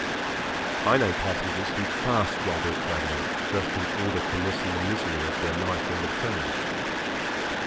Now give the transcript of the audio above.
I know passengers who fast while they are travelling just in order to lessen the misery of their life in the trains.